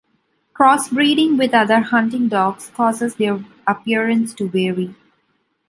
Crossbreeding with other hunting dogs causes their appearance to vary.